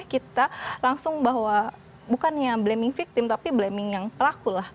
kita langsung bahwa bukannya blaming victim tapi blaming yang pelaku lah